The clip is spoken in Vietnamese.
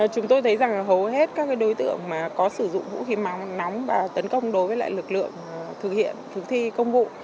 chúng tôi thấy rằng hầu hết các đối tượng có sử dụng vũ khí nóng và tấn công đối với lại lực lượng thực hiện thực thi công vụ